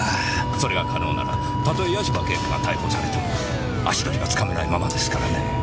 それが可能なら例え八島景子が逮捕されても足取りはつかめないままですからねぇ。